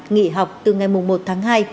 nghỉ học từ ngày một tháng hai